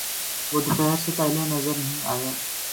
وہ دوپہر سے پہلے نظر نہیں آیا۔